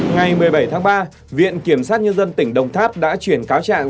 ngày một mươi bảy tháng ba viện kiểm sát nhân dân tỉnh đồng tháp đã chuyển cáo trạng